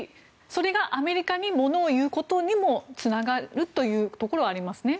それがアメリカにものを言うことにもつながるというところはありますね。